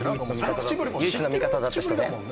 唯一の味方だった人ね。